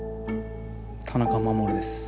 田中守です。